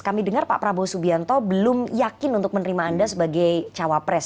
kami dengar pak prabowo subianto belum yakin untuk menerima anda sebagai cawapres